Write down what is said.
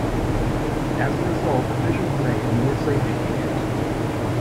As a result, officials made more safety features.